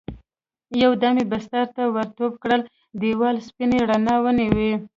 يو دم يې بسترې ته ور ټوپ کړل، دېوال سپينې رڼا ونيو.